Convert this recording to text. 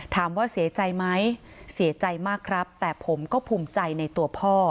ถามว่าเสียใจไหมเสียใจมากครับแต่ผมก็ภูมิใจในตัวพ่อ